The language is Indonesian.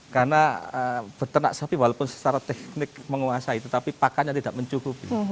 karena peternak sapi walaupun secara teknik menguasai tetapi pakannya tidak mencukupi